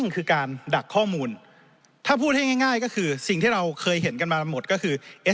คือการดักข้อมูลถ้าพูดให้ง่ายก็คือสิ่งที่เราเคยเห็นกันมาหมดก็คือ